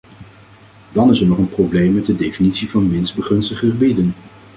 Dan is er nog een probleem met de definitie van minst begunstigde gebieden.